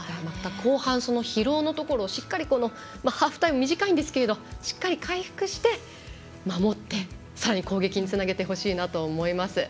後半、疲労のところしっかりハーフタイムは短いんですけどしっかり回復して守って、さらに攻撃につなげてほしいなと思います。